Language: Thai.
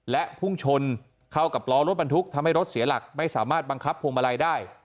และพุ่งชนเข้ากับล้อรถบรรทุกทำให้รถเสียหลักไม่สามารถบังคับพวงมาลัยได้